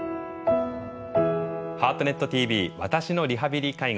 「ハートネットＴＶ私のリハビリ・介護」。